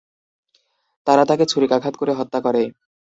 তারা তাকে ছুরিকাঘাত করে হত্যা করে।